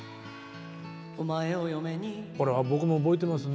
これは僕も覚えてますね。